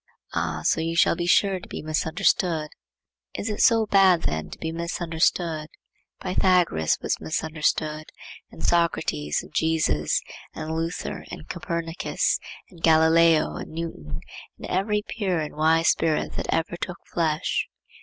—'Ah, so you shall be sure to be misunderstood.'—Is it so bad then to be misunderstood? Pythagoras was misunderstood, and Socrates, and Jesus, and Luther, and Copernicus, and Galileo, and Newton, and every pure and wise spirit that ever took flesh.